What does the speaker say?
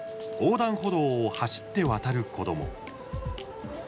横断歩道を走って渡る子ども。